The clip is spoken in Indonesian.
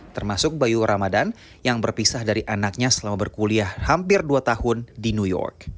termasuk bayu ramadan yang berpisah dari anaknya selama berkuliah hampir dua tahun di new york